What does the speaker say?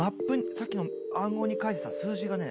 さっきの暗号に書いてた数字がね。